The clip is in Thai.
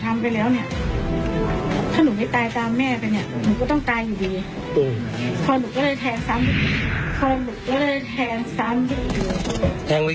หนูบอกว่าถ้าหนูทำไปแล้วเนี่ย